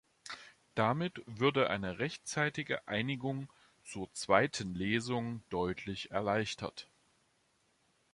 Damit würde eine rechtzeitige Einigung zur zweiten Lesung deutlich erleichtert.